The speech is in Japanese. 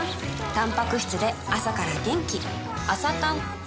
たんぱく質で朝から元気